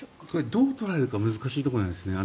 どう捉えるか難しいところなんですね。